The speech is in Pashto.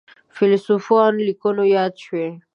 فیلسوفانو لیکنو یاده شوې.